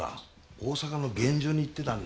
大阪の現場に行ってたんだ。